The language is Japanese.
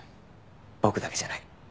僕だけじゃない。